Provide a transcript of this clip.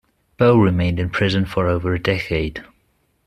Bo remained in prison for over a decade.